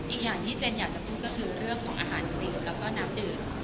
อีกอย่างที่เจนอยากจะพูดก็คือเรื่องของอาหารกรีบแล้วก็น้ำดื่ม